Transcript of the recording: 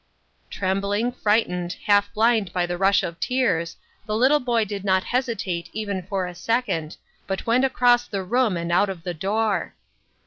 Trembling, frightened, half blinded by the rush of tears, the little boy did not hesitate even for a second, but went across the room and out of the door.